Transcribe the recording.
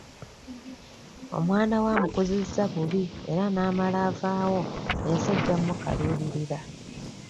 Omwana we amukuzizza bubi era n'amala avaawo ensi ejja mmukaluubirira.